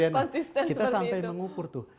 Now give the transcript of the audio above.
ya flicker gitu ya kita sampai mengukur tuh